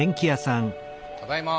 ただいま！